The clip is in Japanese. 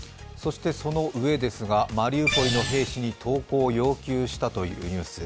その上ですが、マリウポリの兵士に投降を要求したというニュース。